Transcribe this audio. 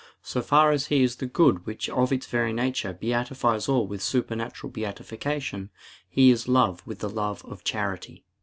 So far as He is the good which of its very nature beatifies all with supernatural beatitude, He is love with the love of charity.